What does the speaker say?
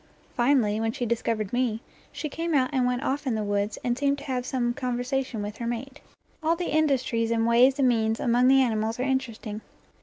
Finally, when she discovered me, she came out and went off in the woods, and seemed to have some conversation with her mate. All the industries and ways and means among the animals are interesting.